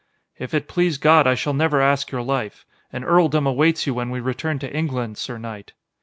"If it please God, I shall never ask your life. An earldom awaits you when we return to England, sir knight."